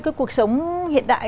cái cuộc sống hiện đại